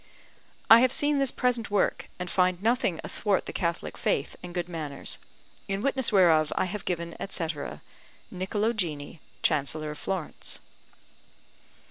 I have seen this present work, and find nothing athwart the Catholic faith and good manners: in witness whereof I have given, etc. NICOLO GINI, Chancellor of Florence.